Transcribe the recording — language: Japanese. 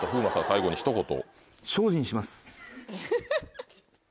最後にひと言。